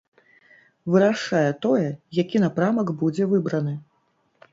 Вырашае тое, які напрамак будзе выбраны.